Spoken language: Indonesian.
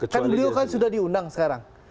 kan beliau kan sudah diundang sekarang